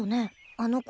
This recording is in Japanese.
あの子。